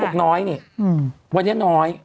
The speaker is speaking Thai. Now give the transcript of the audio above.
บอกน้อยนี่วันนี้น้อย